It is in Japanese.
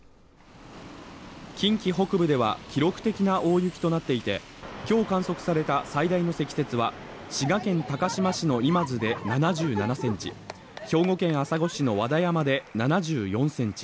近畿北部では記録的な大雪となっていて今日観測された最大の積雪は滋賀県高島市の今津で７７ｃｍ、兵庫県朝来市の和田山で７４ｃｍ